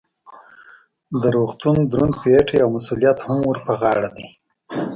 د روغتون دروند پیټی او مسؤلیت هم ور په غاړه دی.